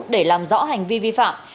để làm rõ hành vi vi phạm